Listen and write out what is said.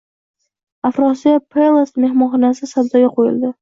“Afrosiyob Palace” mehmonxonasi savdoga qo‘yildi